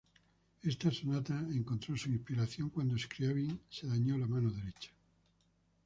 Esta sonata encontró su inspiración cuando Scriabin se dañó la mano derecha.